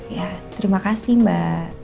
ya terima kasih mbak